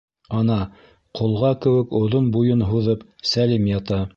Ана, ҡолға кеүек оҙон буйын һуҙып Сәлим ята.